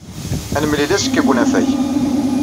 Ad nemlil azekka deg unafag.